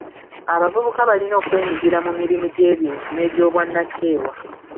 Abavubuka balina okwenyigira mu mirimu gy'ebitundu n'egy'obwannakyewa.